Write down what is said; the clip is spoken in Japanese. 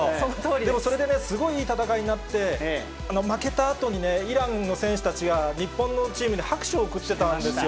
でもそれでね、すごいいい戦いになって、負けたあとにね、イランの選手たちが、日本のチームに拍手を送ってたんですよ。